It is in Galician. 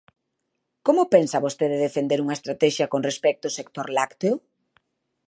¿Como pensa vostede defender unha estratexia con respecto ao sector lácteo?